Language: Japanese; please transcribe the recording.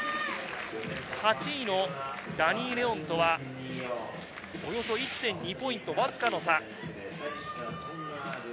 ８位のダニー・レオンとはおよそ１．２ポイント、わずかの差。